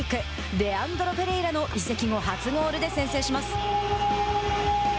レアンドロ・ペレイラの移籍後初ゴールで先制します。